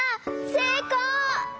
せいこう！